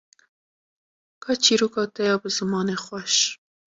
ka çîroka te ya bi zimanê xweş